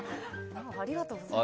ありがとうございます。